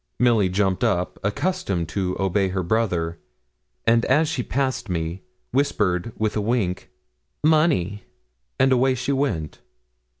Milly jumped up, accustomed to obey her brother, and as she passed me, whispered, with a wink 'Money.' And away she went.